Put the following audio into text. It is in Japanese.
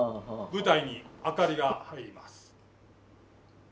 舞台に明かりが入ります。